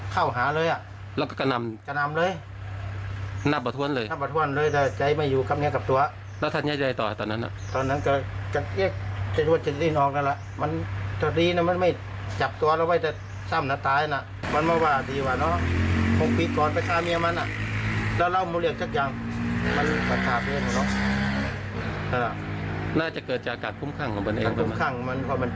คุ้มขังของมันเองคุ้มขังของมันเพราะมันกิดเกม